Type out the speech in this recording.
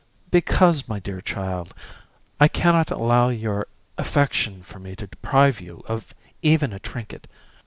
"Because, my dear child, I can not allow your affection for me to deprive you of even a trinket.